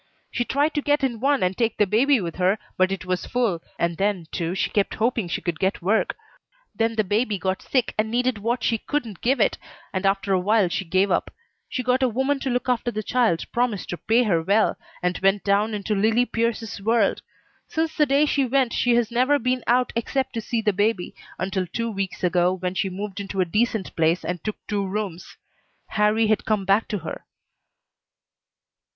She tried to get in one and take the baby with her, but it was full, and then, too, she kept hoping she could get work. Then the baby got sick and needed what she couldn't give it, and after a while she gave up. She got a woman to look after the child, promised to pay her well, and went down into Lillie Pierce's world. Since the day she went she has never been out except to see the baby, until two weeks ago, when she moved into a decent place and took two rooms. Harrie had come back to her."